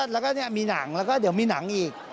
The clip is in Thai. แล้วก็มีหนังแล้วก็เดี๋ยวมีหนังอีก